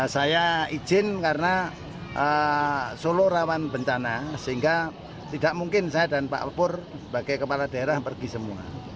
saya izin karena solo rawan bencana sehingga tidak mungkin saya dan pak pur sebagai kepala daerah pergi semua